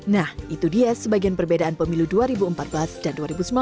nah itu dia sebagian perbedaan pemilu dua ribu empat belas dan dua ribu sembilan belas